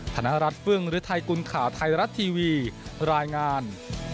ธนรัฐฟึ่งหรือไทยคุณข่าวไทรัฐทีวีรายงาน